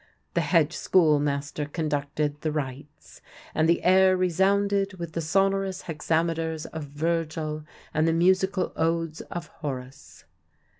The hedge schoolmaster conducted the rites, and the air resounded with the sonorous hexameters of Virgil and the musical odes of Horace.